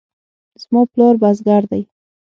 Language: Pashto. زما پلار بزګر دی